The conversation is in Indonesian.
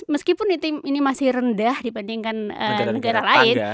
meskipun ini masih rendah dibandingkan negara lain